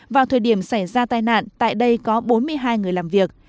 vào thời điểm xảy ra tai nạn tại đây có bốn mươi hai người làm việc